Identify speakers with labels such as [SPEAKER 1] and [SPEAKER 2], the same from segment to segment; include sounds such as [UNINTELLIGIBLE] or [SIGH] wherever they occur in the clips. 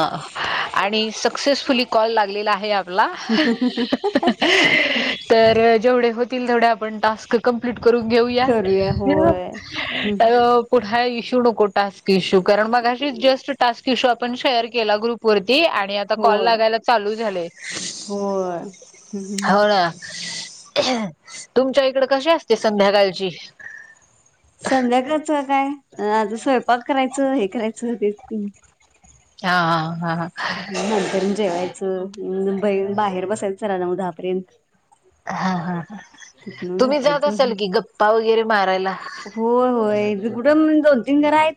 [SPEAKER 1] आणि successfully call लागलेला आहे आपला. तर जेवढे होतील तेवढे आपण टास्क कंम्प्लीट करून घेऊयात
[SPEAKER 2] करूया होय
[SPEAKER 1] कुठं इश्यू नको टास्क इश्यू कारण मघाशी जस्ट टास्क इश्यू आपण शेअर केला ग्रुप वरती आणि आता कॉल
[SPEAKER 2] होय
[SPEAKER 1] लागायला चालू झाले
[SPEAKER 2] होय
[SPEAKER 1] हो ना. तुमच्या इकड कशी असते संध्याकाळची
[SPEAKER 2] संध्याकाळचा काय? आता स्वयंपाक करायच हे करायच तेच कि
[SPEAKER 1] हा हा हा
[SPEAKER 2] नंतर जेवायच. मुंबई बाहेर बसायच जरा नऊ दहापर्यंत.
[SPEAKER 1] हा -हा. तु बी जात
[SPEAKER 2] झोपायचं
[SPEAKER 1] असाल की गप्पा वगैरे मारायला.
[SPEAKER 2] हो, होय. कुठ दोन- तीन घर आहेत,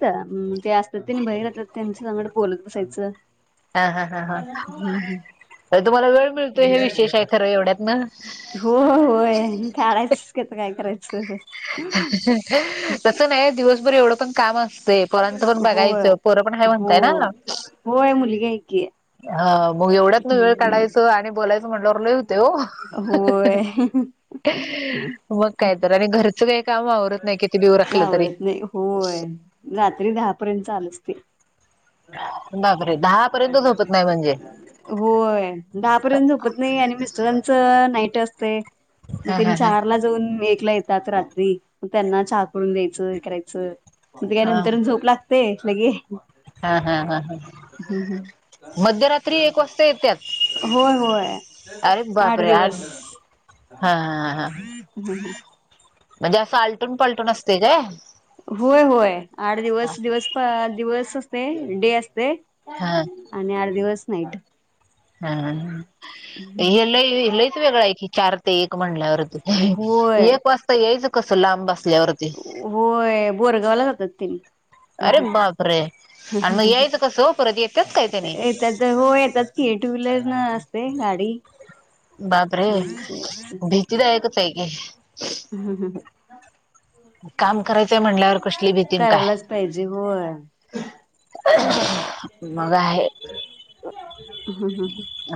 [SPEAKER 2] ते [UNINTELLIGIBLE] त्यांच सांगड बोलत बसायच
[SPEAKER 1] हा हा ह हा, तुम्हाला वेळ मिळतोय हे विशेष आहे खर एवढ्यात ना.
[SPEAKER 2] हो, होय काढायचच आता काय करायच.
[SPEAKER 1] तस नाही दिवसभर एवढ पण काम असत ते पोराच पण
[SPEAKER 2] होय
[SPEAKER 1] बघायच पोर पण आहे म्हणताय
[SPEAKER 2] होय
[SPEAKER 1] ना.
[SPEAKER 2] होय मुलगी आहे की.
[SPEAKER 1] ह मग एवढ्यात ना वेळ काढायचआणि बोलायच म्हटलं लय होते ओ.
[SPEAKER 2] होय
[SPEAKER 1] मग काय तर आणि घर सगळे काम आवरत नाही, कितीबी ऊराखल तरी
[SPEAKER 2] आवडत नाही होय रात्री दहापर्यंत चालु असते.
[SPEAKER 1] बापरे दहापर्यंत झोपत नाही म्हणजे.
[SPEAKER 2] होय दहापर्यंत झोपत नाही आणि मिस्टरांच नाईट असते. मग
[SPEAKER 1] हा
[SPEAKER 2] त्यांनी
[SPEAKER 1] हा हा
[SPEAKER 2] चारला जाऊन एकला येतातात रात्री मग त्यांना चहा करून द्यायच हे करायच. मग त्या
[SPEAKER 1] हा
[SPEAKER 2] नंतर झोप लागते लगे
[SPEAKER 1] हा हा हा ह मध्यरात्री एक वाजता येत्यात,
[SPEAKER 2] होय होय.
[SPEAKER 1] अरे
[SPEAKER 2] आठ
[SPEAKER 1] बापरे अर्ध्या
[SPEAKER 2] दिवस
[SPEAKER 1] हा हा हा
[SPEAKER 2] [INAUDIBLE]
[SPEAKER 1] म्हणजे अस आलटून पलटून असते काय.
[SPEAKER 2] होय -होय आठ दिवस -दिवस दिवस असते डे असते.
[SPEAKER 1] हा
[SPEAKER 2] आणि आठ दिवस नाईट.
[SPEAKER 1] हम. हे लय च वेगळ आहे की चार ते एक म्हणल्यावर
[SPEAKER 2] होय.
[SPEAKER 1] एक वाजता यायच कस लांब असल्यावर ते
[SPEAKER 2] होय बोरगावला जातात ते.
[SPEAKER 1] अरे बापरे! आणि मग यायच कस हो परत येतच काय त्यानी
[SPEAKER 2] येतात हो येतात की, टू व्हीलर न असते गाडी.
[SPEAKER 1] बापरे भीतीदायक आहे कि.
[SPEAKER 2] हम् हम
[SPEAKER 1] काम करायचय म्हणल्यावर कसली भीतीनी काय?
[SPEAKER 2] करायलाच पाहिजे होय
[SPEAKER 1] मजा आहे.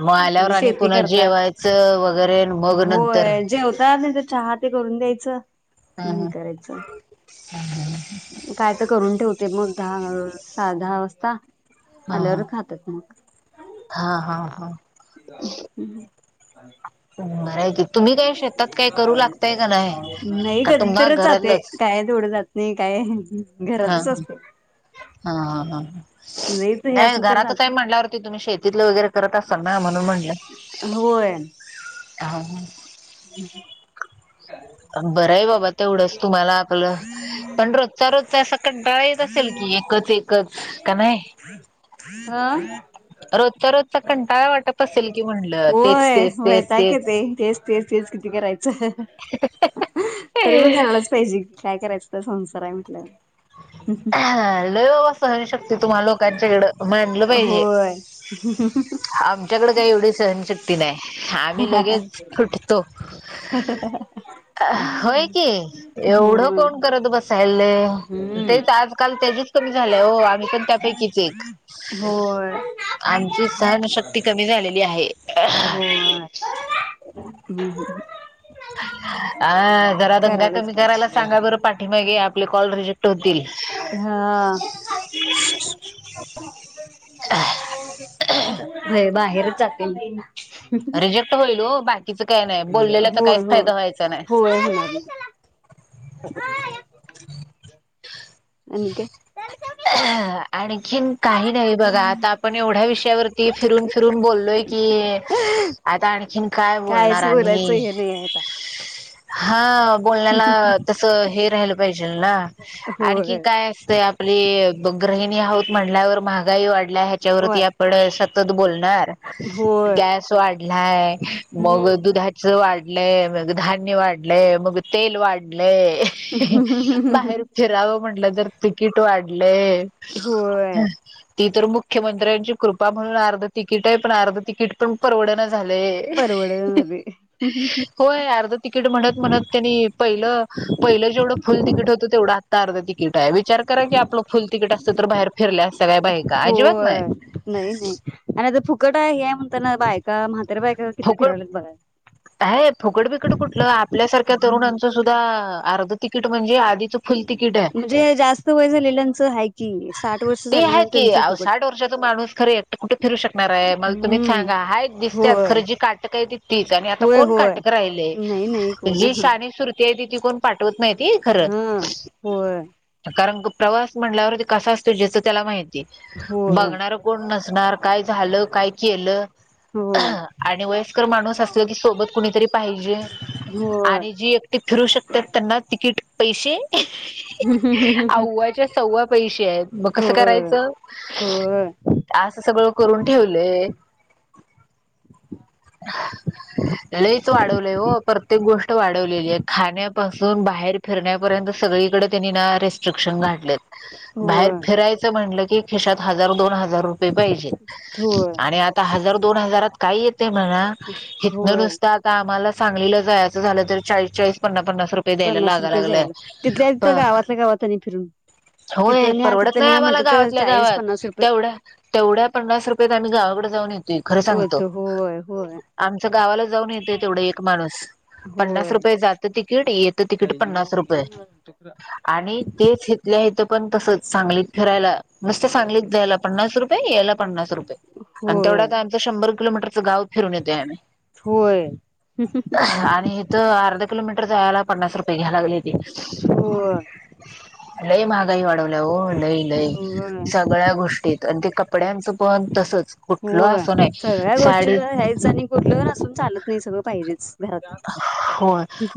[SPEAKER 1] मग आल्यावर आणि
[SPEAKER 2] शेती
[SPEAKER 1] पुन्हा
[SPEAKER 2] करतात
[SPEAKER 1] जेवाय वगैरे मग नंतर
[SPEAKER 2] होय जेवता नाही तर, चहा ते करून द्यायच. ह्
[SPEAKER 1] हम्म
[SPEAKER 2] करायच. काय तर करून ठेवते. ते मग दहा स दहा वाजता
[SPEAKER 1] हा
[SPEAKER 2] आल्यावर
[SPEAKER 1] हा
[SPEAKER 2] खातात मग.
[SPEAKER 1] हा हा हा
[SPEAKER 2] ह
[SPEAKER 1] बरं आहे की तुम्ही काय शेतात काय करू लागताय का नाही
[SPEAKER 2] नाही
[SPEAKER 1] का
[SPEAKER 2] कधी
[SPEAKER 1] तुम्हा
[SPEAKER 2] तरच जाते
[SPEAKER 1] घरातलंच
[SPEAKER 2] काय तेवढ जात नाही काय
[SPEAKER 1] हा
[SPEAKER 2] घरातच असते.
[SPEAKER 1] हा हा ह ह ह
[SPEAKER 2] लईच हे
[SPEAKER 1] नाही
[SPEAKER 2] असलं तर
[SPEAKER 1] घरात हाय
[SPEAKER 2] जाते
[SPEAKER 1] म्हडल्यावरती तुम्ही शेतीतलं वगैरे करत असाल ना म्हणून म्हणल.
[SPEAKER 2] होय.
[SPEAKER 1] हा
[SPEAKER 2] हम्म
[SPEAKER 1] बरं आहे बाबा तेवढंच तुम्हाला आपलं, पण रोजचा रोजचा अस कंटाळा येतअसेल. एकच एक
[SPEAKER 2] हा
[SPEAKER 1] रोजचा रोजचा कंटाळा वाटत असेल की म्हणलं तेच
[SPEAKER 2] होय
[SPEAKER 1] तेच तेच तेच
[SPEAKER 2] वैतागयेत तेच तेच तेच किती करायचं. च हे हे ह तरी पण करालाच पाहिजे की, काय करायचं तर संसार आहे म्हटलं.
[SPEAKER 1] ह लय बाबा सहनशील तुम्हाला लोकांच्याकडं मानलं पाहिजे.
[SPEAKER 2] होय.
[SPEAKER 1] आमच्याकडे काही एवढी सहनशक्ती नाही आम्ही लगेच. फुटतो. अ होय की एवढं
[SPEAKER 2] होय
[SPEAKER 1] कोण करत बसत.
[SPEAKER 2] हम्म.
[SPEAKER 1] तेच आजकाल त्याजच कमी झालंय हो आम्ही पण त्यापैकीच एक.
[SPEAKER 2] होय
[SPEAKER 1] आमची सहनशक्ती कमी झालेली आहे.
[SPEAKER 2] होय ह्
[SPEAKER 1] अ जरा दंगा
[SPEAKER 2] करायलाच
[SPEAKER 1] कमी करायला
[SPEAKER 2] पाहिजे.
[SPEAKER 1] सांगा बरं पाठीमागे आपले कॉल रिजेक्ट होतील.
[SPEAKER 2] हा होय बाहेर जाते मी बोलायला.
[SPEAKER 1] रिजेक्ट होईल हो, बाकीचं काय नाही बोललेल्याचा
[SPEAKER 2] होय
[SPEAKER 1] काहीच फायदा व्हायचा नाही.
[SPEAKER 2] होय होय
[SPEAKER 1] [INAUDIBLE]
[SPEAKER 2] आणखीन काय?
[SPEAKER 1] ह आणखीन काही नाही बघा, आता आपण एवढ्या विषयावरती फिरून फिरून बोललो आहे की. आता आणखीन काय बोलणार
[SPEAKER 2] कायच बोलायचं
[SPEAKER 1] आणि.
[SPEAKER 2] हे नाही आहे आता
[SPEAKER 1] हा बोलण्याला तस हे राहिलं पाहिजे ना आणखी
[SPEAKER 2] होय
[SPEAKER 1] काय असतंय. आप गृहिणी आहोत म्हल्यावर महागाई वाढली. आपल्या ह्याच्यावरती
[SPEAKER 2] वाट
[SPEAKER 1] आपण सतत बोलणार.
[SPEAKER 2] होय
[SPEAKER 1] गॅस वाढलाय मग
[SPEAKER 2] हम्म
[SPEAKER 1] दुधा वाढले मग धान्य वाढले, मग तेल वाढले आहे. बाहेर फिरावं म्हटलं तर तिकीट वाढले.
[SPEAKER 2] होय.
[SPEAKER 1] ती तर मुख्यमंत्र्यांची कृपा म्हणून, अर्ध तिकीट आहे पण अर्ध तिकीट पण परवडत नाही. झालय
[SPEAKER 2] परवडना ते
[SPEAKER 1] होय, अर्ध तिकीट म्हणत -म्हणत त्यांनी. पहिल -पहिलं जेवढं फुल तिकीट होतं, तेवढं अत्ता अर्धा तिकीट आहे. विचार करा की, आपलं फुल तिकीट असतं तर, बाहेर फिरल्या असत्या काय, बायका का अजिबात नाही.
[SPEAKER 2] होय नाही, नाही. आणि आता फुकट आहे. हे म्हणता ना बाय आत्या म्हाताऱ्या बाय
[SPEAKER 1] फुकट आहे, फुकट बिकट कुठलं आपल्यासारख्या तरुणांच. तुझं अर्ध तिकीट म्हणजे आधीच फुल तिकीट आहे
[SPEAKER 2] म्हणजे जास्त वय झालेल्यांचं हाय की साठ वर्ष
[SPEAKER 1] ते
[SPEAKER 2] झालेल्या
[SPEAKER 1] आहेत की
[SPEAKER 2] त्यांचं
[SPEAKER 1] आवं
[SPEAKER 2] फुकट
[SPEAKER 1] साठ वर्षाचा माणूस खर एकट कुठ फिरू शकणार आहे मला तुम्ही
[SPEAKER 2] हम्म
[SPEAKER 1] सांगा हाय दिसत्यात
[SPEAKER 2] होय
[SPEAKER 1] खर जी काटक हायती तीच आणि आता
[SPEAKER 2] होय
[SPEAKER 1] कोण
[SPEAKER 2] होय
[SPEAKER 1] काटक राहिलय
[SPEAKER 2] नाही नाही कोण
[SPEAKER 1] जी शानी सूरती आहे तिची कोण पाठवत नाहीती खरं
[SPEAKER 2] हा होय
[SPEAKER 1] कारण प्रवास म्हणल्यावर ते कसा असतो ज्याचं त्याला माहित
[SPEAKER 2] होय
[SPEAKER 1] बघणार कोण नसणार काय झालं काय केलं
[SPEAKER 2] होय
[SPEAKER 1] आणि वयस्कर माणूस असल की सोबत कुणीतरी पाहिजे
[SPEAKER 2] होय
[SPEAKER 1] आणि जी ते फिरू शक्त्यात त्यांना तिकीट पैसे आव् च्या सव्वा पैसे आहेत मग कसं
[SPEAKER 2] होय
[SPEAKER 1] करायचं
[SPEAKER 2] होय
[SPEAKER 1] असं सगळं करून ठेवलय लईच वाढवलंय ओ प्रत्येक गोष्ट वाढवलेली आहे खाण्या पासून बाहेर फिरण्यापर्यंत सगळीकडे त्यांनी ना रेस्ट रेस्ट्रीक्षण घातलेत बाहेर
[SPEAKER 2] होय
[SPEAKER 1] फिरायचं म्हणलं की खिशात हजार दोन हजार रुपये पाहिजेत
[SPEAKER 2] होय
[SPEAKER 1] आणि आता हजार दोन हजारात काय येतय म्हणा हितन
[SPEAKER 2] होय
[SPEAKER 1] नुसता आम्हाला सांगलीला जायचं झालं तर चाळीस चाळीस पन्ना पन्नास रुपये द्यायला
[SPEAKER 2] पन्नास रुपये
[SPEAKER 1] लागालागलंय
[SPEAKER 2] जायला तिथल्या तिथं गावातल्या गावात आणि फिरून
[SPEAKER 1] होय
[SPEAKER 2] इथं न्या
[SPEAKER 1] परवडत
[SPEAKER 2] तिथं
[SPEAKER 1] नाही
[SPEAKER 2] न्या
[SPEAKER 1] आम्हाला
[SPEAKER 2] म्हटलं तर
[SPEAKER 1] गावातल्या
[SPEAKER 2] चाळीस
[SPEAKER 1] गावात
[SPEAKER 2] पन्नास रुपये
[SPEAKER 1] तेवढ्या तेवढ्या पन्नास रुपयात आम्ही गावाकड जाऊन येतो
[SPEAKER 2] येतो होय होय
[SPEAKER 1] आमचं गावाला जाऊन येतय तेवढं एक माणूस पन्नास रुपये जातं तिकीट येत
[SPEAKER 2] काय येऊ येऊ म्हण तुका
[SPEAKER 1] आणि तेच इथल्या इथं पण तसच सांगलीत फिरायला नुसत सांगलीत जायला पन्नास रुपये यायला पन्नास रुपये आणि तेवढ
[SPEAKER 2] होय
[SPEAKER 1] काय शंभर किलोमीटरच गाव फिरून येतोय आम्ही
[SPEAKER 2] होय
[SPEAKER 1] आणि इथ अर्धा किलोमीटर जायाला पन्नास रुपये घ्या लागलेती
[SPEAKER 2] होय
[SPEAKER 1] लई महागाई वाढवल्या ओ लई लई
[SPEAKER 2] होय
[SPEAKER 1] सग सगळ्या गोष्टीत हाइत आणि ते कपड्यांचं पण तसंच
[SPEAKER 2] होय सगळ्या गोष्टीला यायच आणि कुठलं नसून चालत नाही सगळं पाहिजेच घरात
[SPEAKER 1] हो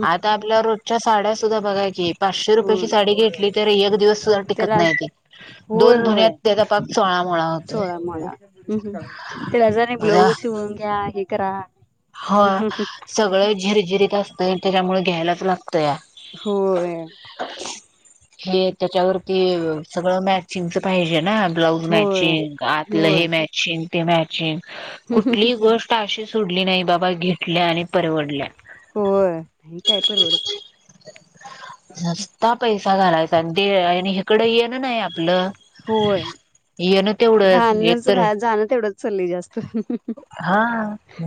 [SPEAKER 1] आता आपल्या रोज च्या साड्या सुद्धा बघाकी पाचशे रुपयाची
[SPEAKER 2] होय
[SPEAKER 1] साडी घेतली तर एक दिवस सुद्धा टिकत
[SPEAKER 2] त्याला
[SPEAKER 1] नाही ते
[SPEAKER 2] होय होय
[SPEAKER 1] होतोय
[SPEAKER 2] चोळा मोळा त्याज आणि ब्लॉऊज शिवून घ्या हे करा
[SPEAKER 1] हा सगळं झिरझिरीत असतंय त्याच्यामुळे घ्यायलाच लागतंया
[SPEAKER 2] होय
[SPEAKER 1] हे त्याच्यावरती सगळं मॅचिंगच पाहिजे ना ब्लाउज
[SPEAKER 2] होय
[SPEAKER 1] मॅचिंग आतलं
[SPEAKER 2] होय
[SPEAKER 1] हे मॅचिंगते मॅचिंग कुठलीहीं गोष्ट अशी सोडली नाही बाबा घेेतल्या आणि परवडल्या
[SPEAKER 2] होय काय परवडत
[SPEAKER 1] नुस्ता पैसा घालायचा आणि ते आणि इकडं येण नाही आपलं
[SPEAKER 2] होय
[SPEAKER 1] येन
[SPEAKER 2] घालणच घा जाणं तेवढंच चाललंय जास्त
[SPEAKER 1] आ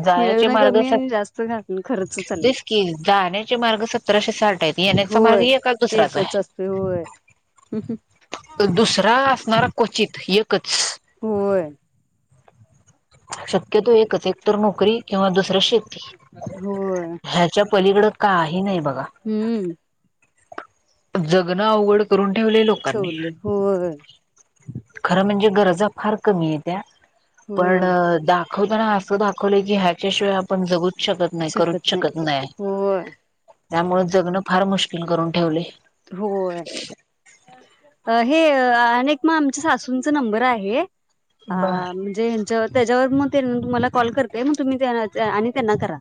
[SPEAKER 1] जायाचे
[SPEAKER 2] मिळवणं
[SPEAKER 1] मार्ग
[SPEAKER 2] कमी आणि जास्त घालणं खर्च
[SPEAKER 1] तेच
[SPEAKER 2] चाललंय
[SPEAKER 1] की जाण्याचे मार्ग सतराशे साठ आहेत येण्याचा मार्ग
[SPEAKER 2] होय
[SPEAKER 1] एखादा दुसराचा
[SPEAKER 2] एकच
[SPEAKER 1] आहे
[SPEAKER 2] असतोय होय.
[SPEAKER 1] तो दुसरा असणारा क्वचित, एकच.
[SPEAKER 2] होय.
[SPEAKER 1] शक्यतो एकच एक तर नोकरी किंवा दुसरं शेती.
[SPEAKER 2] होय
[SPEAKER 1] ह्याच्या पलीकडं काही नाही बघा.
[SPEAKER 2] हम्म
[SPEAKER 1] जगणं अवघड करून ठेवलय लोकांनी.
[SPEAKER 2] ठेवले होय
[SPEAKER 1] खरं म्हणजे गरजा फार कमीयेत्या पण
[SPEAKER 2] होय
[SPEAKER 1] दाखवताना असं दाखवलं की हॅ च्याशिवाय आपण जगूच शकत नाही, करूच शकत नाही. त्यामुळे जगणं फार मुश्किल करून ठेवलय.
[SPEAKER 2] होय. हे अनेक मग आमच्या सासूंचा नंबर आहे हा
[SPEAKER 1] ब
[SPEAKER 2] म्हणजे हेंच्या त्याच्यावर मग ते तुम्हाला कॉल करते मग तुम्ही ते हे आणि त्यांना करा.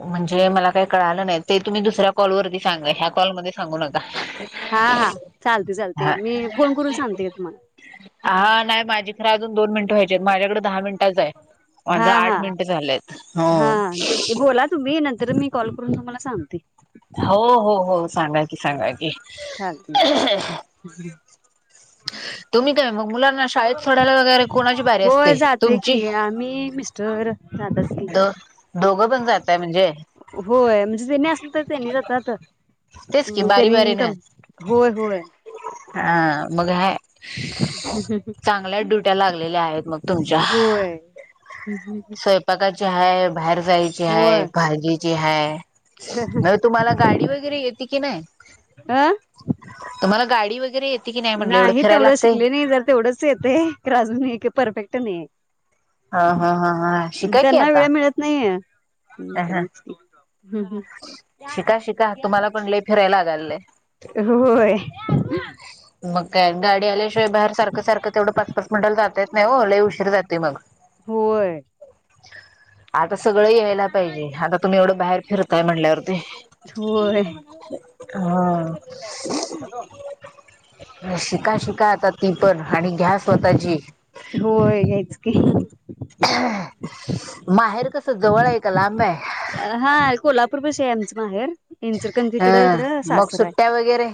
[SPEAKER 1] म्हणजे मला काही कळालं नाही ते तुम्ही दुसऱ्या कॉल वरती सांगा ह्या कॉलमध्ये सांगू नका.
[SPEAKER 2] हा हा चालते चालते
[SPEAKER 1] हा
[SPEAKER 2] मी फोन करून सांगते तुम्हाला.
[SPEAKER 1] हा नाही माझी खरं अजून दोन मिनटं व्हायचेत आहेत माझ्याकडे दहा मिनटं- टच आहे माझं
[SPEAKER 2] हा
[SPEAKER 1] आठ
[SPEAKER 2] हा
[SPEAKER 1] मिनट झालेत
[SPEAKER 2] हा
[SPEAKER 1] ह.
[SPEAKER 2] तेच बोला तुम्ही नंतर मी कॉल करून तुम्हाला सांगते.
[SPEAKER 1] हो हो हो सांगा की सांगा की.
[SPEAKER 2] ह [INAUDIBLE]
[SPEAKER 1] तुम्ही काय मग मुलांना शाळेत सोडायला वगैरे कोणाची भारी असते तुमची?
[SPEAKER 2] मी, मिस्टर वगैरे जातात.
[SPEAKER 1] दो दोघं पण जातय म्हणजे
[SPEAKER 2] होय म्हणजे त्यांनी असल तर त्यांनी जातात.
[SPEAKER 1] तेच की
[SPEAKER 2] मग
[SPEAKER 1] बारी
[SPEAKER 2] त्यांनी
[SPEAKER 1] बारीन
[SPEAKER 2] कम होय होय.
[SPEAKER 1] हा मग हाय. चांगल्या ड्युट्या लागलेल्या आहेत मग तुमच्या.
[SPEAKER 2] हम् हम.
[SPEAKER 1] स्वयंपाकाची हाय, बाहेर जायची हाय,
[SPEAKER 2] होय.
[SPEAKER 1] भाजीची हाय, म तुम्हाला गाडी वगैरे येते की नाही?
[SPEAKER 2] आह.
[SPEAKER 1] तुम्हाला गाडी वगैरे येत-
[SPEAKER 2] नाही तेवढं शिकले नाही जर तेवढंच येते अजून आहे की परफेक्ट नाही आहे.
[SPEAKER 1] हा हा हा हा शिका की आता.
[SPEAKER 2] नाही ह ह.
[SPEAKER 1] शिका शिका तुम्हाला पण लई फिरायला लागालय.
[SPEAKER 2] होय.
[SPEAKER 1] मग काय गाडी आल्याशिवाय बाहेर सारखं सारखं तेवढं पाच पाच मिनटाला जाता येत नाही ओ लय उशीर जातोय मग.
[SPEAKER 2] होय.
[SPEAKER 1] आता सगळं यायला पाहिजे आता तुम्ही एवढं बाहेर फिरताय म्हणल्यावरती.
[SPEAKER 2] होय
[SPEAKER 1] हा. शिका शिका आता ती पण आणि घ्या स्वतःची.
[SPEAKER 2] होय घ्याच की.
[SPEAKER 1] माहेर कस जवळ आहे का लांब आहे?
[SPEAKER 2] हा कोल्हापूरपशी आहे आमचं माहेर
[SPEAKER 1] ह
[SPEAKER 2] इंचरकंजीकड इकडं
[SPEAKER 1] मग
[SPEAKER 2] सासर आहे.
[SPEAKER 1] सुट्ट्या वगैरे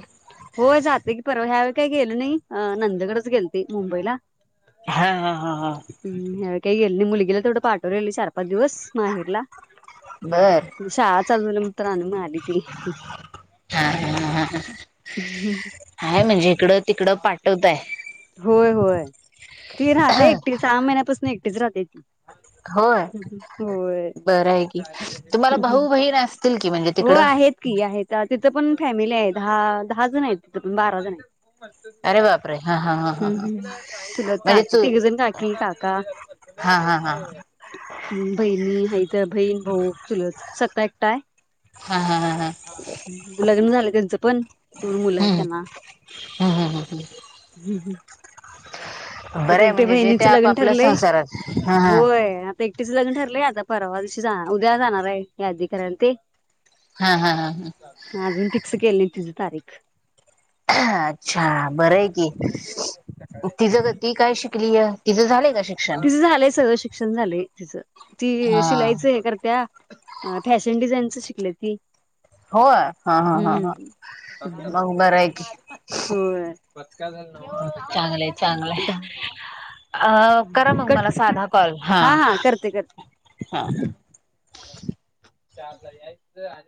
[SPEAKER 2] हो जाते की परवा ह्यावेळी काही गेल नाही नणदेकडे च गेलते मुंबईला.
[SPEAKER 1] हा हा हा हा.
[SPEAKER 2] हम् ह्या वेळी काही गेल नाही मुलगीला तेवडं पाठवलेल चार पाच दिवस माहेरला.
[SPEAKER 1] बर.
[SPEAKER 2] शाळा चालू झाल्या म्हणतांन मग आली ती
[SPEAKER 1] हा हा हा
[SPEAKER 2] ह ह
[SPEAKER 1] हय म्हणजे इकडं तिकडं पाठवताय.
[SPEAKER 2] होय होय ती राहते एकटी सहा महिन्यापासून एकटीच राहते ती.
[SPEAKER 1] अच्छ होय
[SPEAKER 2] होय.
[SPEAKER 1] बरं ये की तुम्हाला भाऊ बहीण असतील की म्हणजे
[SPEAKER 2] हो
[SPEAKER 1] तिकडं
[SPEAKER 2] आहेत की आहेत तिथ पण फॅमिली आहे दहा दहा जण आहे. तिथ पण बारा जण ये
[SPEAKER 1] अरे बापरे! हा हा हा हा
[SPEAKER 2] हम्म
[SPEAKER 1] हा
[SPEAKER 2] ह् चुलत
[SPEAKER 1] म्हणजे
[SPEAKER 2] काकी
[SPEAKER 1] तू
[SPEAKER 2] तिघंजण काकी काका
[SPEAKER 1] हा हा हा
[SPEAKER 2] हम् बहिणी आहेत बहीण भाऊ चुलत सखा एकटा ये.
[SPEAKER 1] हा हा हा हा
[SPEAKER 2] लग्न झालं त्यांचं पण दोन मुलं आहेत त्यांना.
[SPEAKER 1] हम् हम ह हम
[SPEAKER 2] हम् हम्
[SPEAKER 1] हम् बरं
[SPEAKER 2] आता
[SPEAKER 1] आहे
[SPEAKER 2] एकटी
[SPEAKER 1] म्हणजे जे ते
[SPEAKER 2] बहिणीच
[SPEAKER 1] आप
[SPEAKER 2] लग्न
[SPEAKER 1] आपल्या
[SPEAKER 2] ठरलंय
[SPEAKER 1] संसारात हा हा
[SPEAKER 2] होय. तेेक्टीच लग्न ठरलंय आता परवा दिवशी जा उद्या जाणार आहे यादी करायला ती
[SPEAKER 1] हा हा हा हा
[SPEAKER 2] अजून फिक्स केले नाही तिची तारीख
[SPEAKER 1] अच्छा बरं ये की तिचं ती काय शिकलीय? तिचं झालं
[SPEAKER 2] तिचं झालंय सगळं शिक्षण झालंय तिचं ती
[SPEAKER 1] हा
[SPEAKER 2] शिलाईचं हे करत्या फॅशन डिझाईनच शिकले ती
[SPEAKER 1] होय हा हा हा हा
[SPEAKER 2] हम्म
[SPEAKER 1] भाऊ बरा ये की
[SPEAKER 2] होय
[SPEAKER 1] चांगलं ये चांगल ये. अ करा मग मला
[SPEAKER 2] कट
[SPEAKER 1] साधा कॉल हा ह
[SPEAKER 2] चारला यायंच आणि